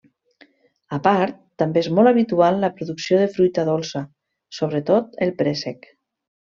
A part, també és molt habitual la producció de fruita dolça, sobretot, el préssec.